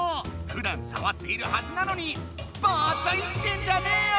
ふだんさわっているはずなのにボーっと生きてんじゃねーよ！